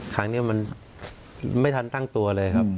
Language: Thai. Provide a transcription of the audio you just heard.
ครั้งนี้มันไม่ทันตั้งตัวเลยครับ